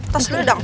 tos dulu dong